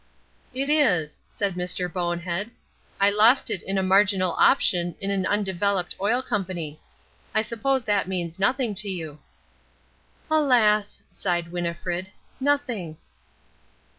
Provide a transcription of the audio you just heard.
"It is," said Mr. Bonehead. "I lost it in a marginal option in an undeveloped oil company. I suppose that means nothing to you." "Alas," sighed Winnifred, "nothing."